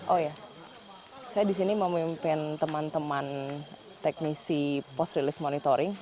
oh ya saya di sini memimpin teman teman teknisi pos rilis monitoring